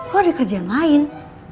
lo ada kerjaan lain